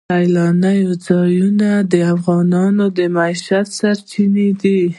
سیلانی ځایونه د افغانانو د معیشت سرچینه ده.